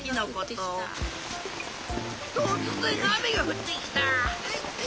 とつぜんあめがふってきた。